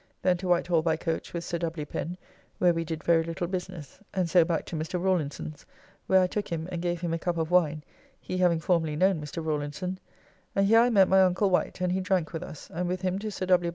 Then to Whitehall by coach with Sir W. Pen, where we did very little business, and so back to Mr. Rawlinson's, where I took him and gave him a cup of wine, he having formerly known Mr. Rawlinson, and here I met my uncle Wight, and he drank with us, and with him to Sir W.